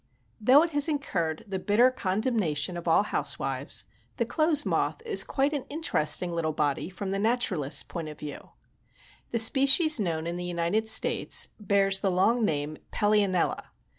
Though it has incurred the bitter condemnation of all housewives, the clothes moth is quite an interesting little body from the naturalist's point of view. The species known in the United States bears the long name Pellionella.